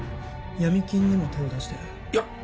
闇金にも手を出してるいや